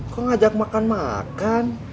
kok ngajak makan makan